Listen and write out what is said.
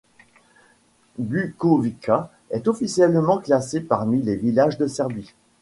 Bukovica est officiellement classée parmi les villages de Serbie.